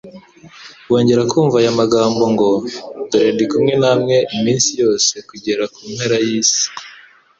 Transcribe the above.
bongera kumva aya magambo ngo :« dore ndi kumwe namwe iminsi yose kugeza ku mperuka y'isi!»